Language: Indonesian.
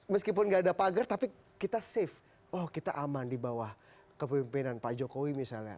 meskipun tidak ada pagar tapi kita aman di bawah kepemimpinan pak jokowi misalnya